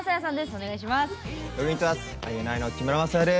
お願いします。